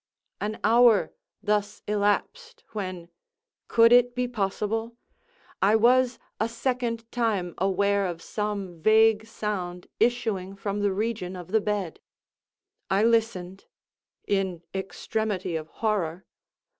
An hour thus elapsed when (could it be possible?) I was a second time aware of some vague sound issuing from the region of the bed. I listened—in extremity of horror.